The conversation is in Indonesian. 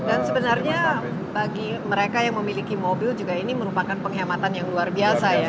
dan sebenarnya bagi mereka yang memiliki mobil juga ini merupakan penghematan yang luar biasa ya